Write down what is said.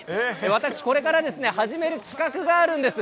私、これから始める企画があるんです。